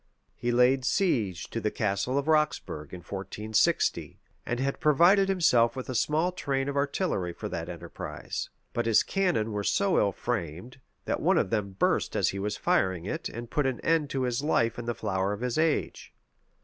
He laid siege to the Castle of Roxburgh in 1460, and had provided himself with a small train of artillery for that enterprise: but his cannon were so ill framed, that one of them burst as he was firing it, and put an end to his life in the flower of his age.